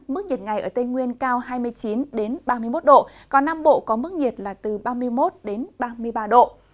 mức nhiệt ngày ở tây nguyên cao hai mươi chín ba mươi một độ còn nam bộ có mức nhiệt là từ ba mươi một ba mươi ba độ